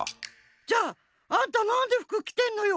じゃああんたなんで服きてんのよ？